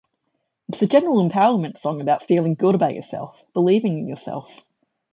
It's a general empowerment song about feeling good about yourself, believing in yourself.